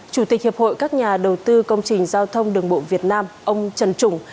chủ tịch hiệp hội các nhà đầu tư công trình giao thông đường bộ việt nam ông trần trùng